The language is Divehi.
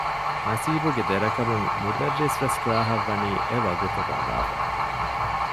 ނަސީބުގެ ދެރަ ކަމުން މުދައްރިސްވެސް ކްލާހަށް ވަނީ އެވަގުތު ބަލާފަ